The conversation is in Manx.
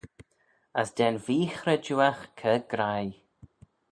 As da'n vee-chredjueagh cur graih!